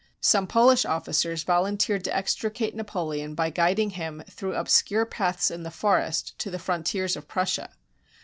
Some Polish officers volunteered to extricate Napoleon by guiding him through obscure paths in the forest to the frontiers of Prussia.